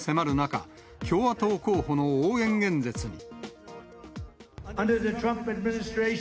中間選挙が迫る中、共和党候補の応援演説に。